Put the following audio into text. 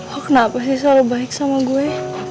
ho kenapa sih selalu baik sama gue